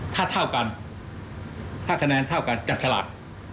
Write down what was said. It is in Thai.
ถ้าเท่ากันถ้าคะแนนเท่ากันจับฉลาก